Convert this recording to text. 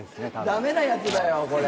ダメなやつだよこれ。